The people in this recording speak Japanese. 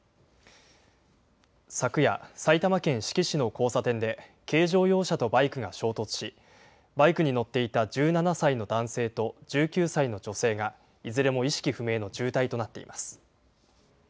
昨夜、埼玉県志木市の交差点で、軽乗用車とバイクが衝突し、バイクに乗っていた１７歳の男性と１９歳の女性が、いずれも意識不明の重体となっています。